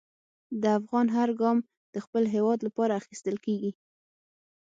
د افغان هر ګام د خپل هېواد لپاره اخیستل کېږي.